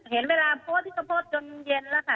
เห็นเวลาโพสต์นี่ก็โพสต์จนเย็นแล้วค่ะ